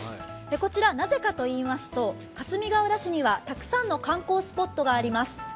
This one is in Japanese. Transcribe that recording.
こちら、なぜかと言いますとかすみがうら市にはたくさんの観光スポットがあります。